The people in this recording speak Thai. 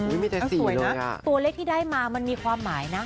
อุ้ยไม่ใช่สี่เลยค่ะตัวเลขที่ได้มามันมีความหมายนะ